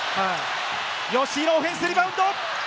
吉井のオフェンスリバウンド！